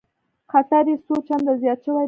خطر یې څو چنده زیات شوی دی